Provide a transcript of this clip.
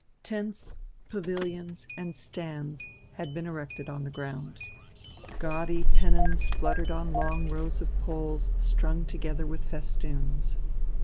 Tents, pavilions, and stands had been erected on the ground. Gaudy pennons fluttered on long rows of poles strung together with festoons.